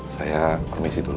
saya permisi dulu